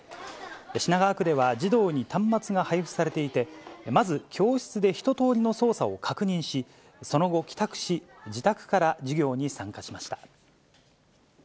品川区では、児童に端末が配付されていて、まず教室で一とおりの操作を確認し、その後帰宅し、自宅から授業に参加しました。